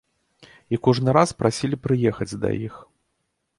І кожны раз прасілі прыехаць да іх.